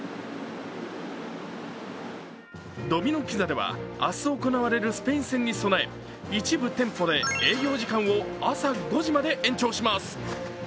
ドミノ・ピザでは、明日行われるスペイン戦に備え一部店舗で営業時間を朝５時まで延長します。